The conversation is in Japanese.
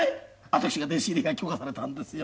私の弟子入りが許可されたんですよ